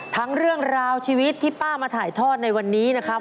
เรื่องราวชีวิตที่ป้ามาถ่ายทอดในวันนี้นะครับ